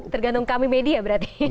tergantung kami media berarti